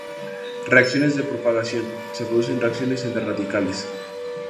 Reacciones de propagación: Se producen reacciones entre radicales.